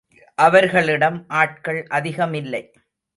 அவர்களிடம் ஆட்கள் அதிகமில்லை.